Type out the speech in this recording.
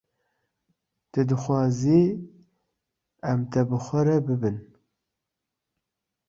Tu dixwazî em te bi xwe re bibin?